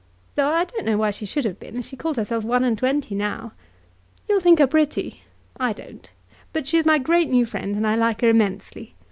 Though I don't know why she should have been, as she calls herself one and twenty now. You'll think her pretty. I don't. But she is my great new friend, and I like her immensely.